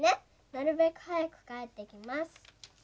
なるべくはやくかえってきます」。